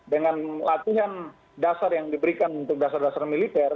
dengan latihan dasar yang diberikan untuk dasar dasar militer